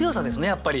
やっぱり。